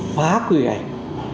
phá quy gạch